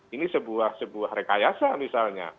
ini sebuah rekayasa misalnya